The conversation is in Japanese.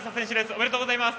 おめでとうございます。